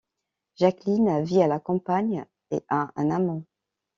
Jacqueline vit à la campagne et a un amant.